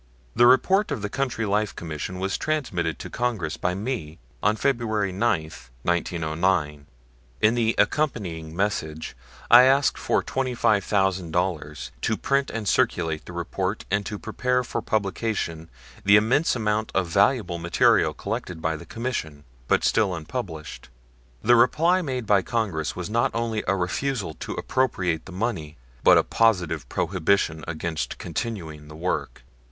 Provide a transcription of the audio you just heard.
The report of the Country Life Commission was transmitted to Congress by me on February 9, 1909. In the accompanying message I asked for $25,000 to print and circulate the report and to prepare for publication the immense amount of valuable material collected by the Commission but still unpublished. The reply made by Congress was not only a refusal to appropriate the money, but a positive prohibition against continuing the work.